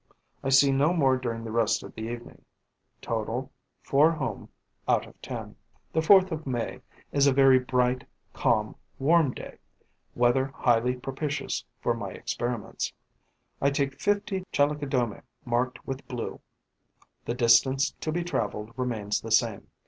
I see no more during the rest of the evening. Total: four home, out of ten. The 4th of May is a very bright, calm, warm day, weather highly propitious for my experiments. I take fifty Chalicodomae marked with blue. The distance to be travelled remains the same.